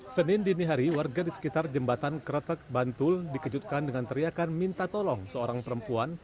senin dini hari warga di sekitar jembatan kretek bantul dikejutkan dengan teriakan minta tolong seorang perempuan